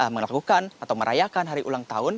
melakukan atau merayakan hari ulang tahun